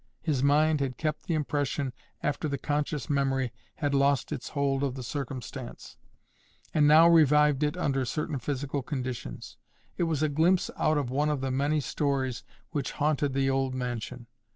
His mind had kept the impression after the conscious memory had lost its hold of the circumstance, and now revived it under certain physical conditions. It was a glimpse out of one of the many stories which haunted the old mansion.